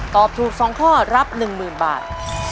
ตอบถูก๒ข้อรับ๑๐๐๐บาท